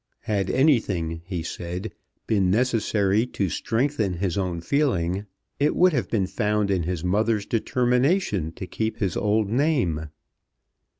Had anything, he said, been necessary to strengthen his own feeling, it would have been found in his mother's determination to keep his old name.